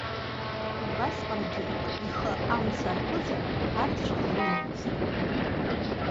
Убасҟангьы, ихы амца аркызар, арцәаха имамызт.